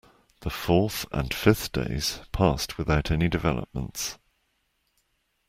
The fourth and fifth days passed without any developments.